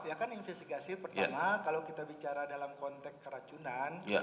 ya kan investigasi pertama kalau kita bicara dalam konteks keracunan